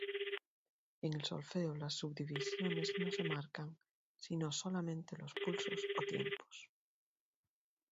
En el solfeo las subdivisiones no se marcan, sino solamente los pulsos o tiempos.